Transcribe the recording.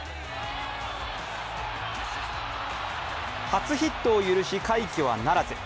初ヒットを許し、快挙はならず。